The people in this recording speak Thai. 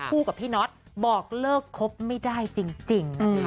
คู่กับพี่นัทบอกเลิกครบไม่ได้จริง